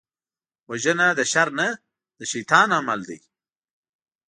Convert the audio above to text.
وژنه د شر نه، د شيطان عمل دی